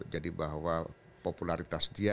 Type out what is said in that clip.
jadi bahwa popularitas dia